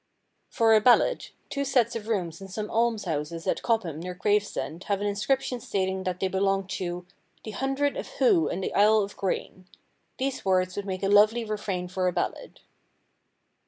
For a Ballad: Two sets of rooms in some alms houses at Cobham near Gravesend have an inscription stating that they belong to "the Hundred of Hoo in the Isle of Grain." These words would make a lovely refrain for a ballad.